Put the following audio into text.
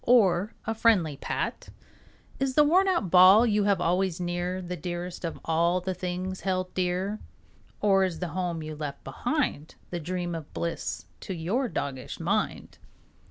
Or a friendly pat? Is the worn out ball you have always near The dearest of all the things held dear? Or is the home you left behind The dream of bliss to your doggish mind?